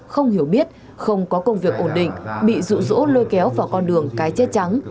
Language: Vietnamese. không hiểu biết không có công việc ổn định bị rụ rỗ lôi kéo vào con đường cái chết trắng